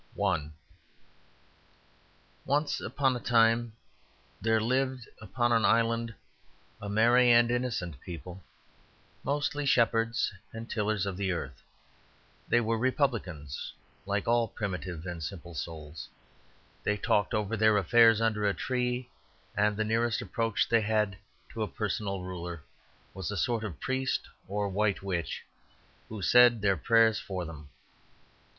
I Once upon a time there lived upon an island a merry and innocent people, mostly shepherds and tillers of the earth. They were republicans, like all primitive and simple souls; they talked over their affairs under a tree, and the nearest approach they had to a personal ruler was a sort of priest or white witch who said their prayers for them.